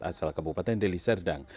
asal kabupaten deli serdang